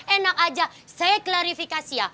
enak aja saya klarifikasi ya